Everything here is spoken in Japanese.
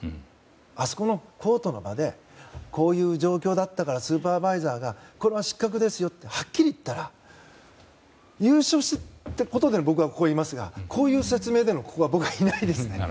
あそこのコートの場でこういう状況だったからスーパーバイザーがこれは失格ですよとはっきり言ったら優勝したことで僕はここにいますがこういう説明ではここには僕はいないですね。